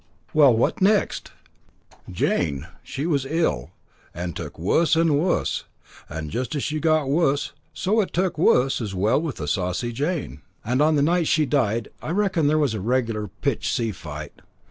"Well, what next?" "Jane, she was ill, and took wus and wus, and just as she got wus so it took wus as well with the Saucy Jane. And on the night she died, I reckon that there was a reg'lar pitched sea fight."